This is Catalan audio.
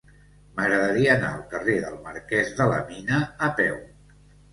M'agradaria anar al carrer del Marquès de la Mina a peu.